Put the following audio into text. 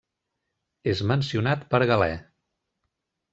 És mencionat per Galè.